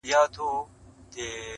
ما نیولې نن ده بس روژه د محبت په نوم,